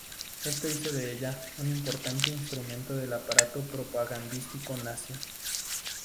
Esto hizo de ella un importante instrumento del aparato propagandístico nazi.